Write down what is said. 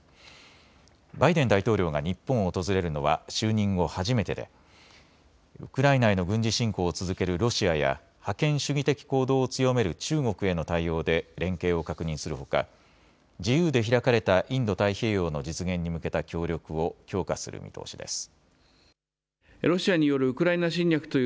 バイデン大統領が日本を訪れるのは就任後初めてでウクライナへの軍事侵攻を続けるロシアや覇権主義的行動を強める中国への対応で連携を確認するほか自由で開かれたインド太平洋の実現に向けた協力を強化する見通しです。